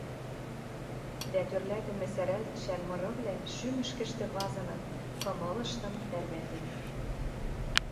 дӓ тӧрлӓтӹмӹ сӓрӓлтӹшӓн мырывлӓ шӱмӹшкӹштӹ вазыныт, кымылыштым тӓрвӓтенӹт.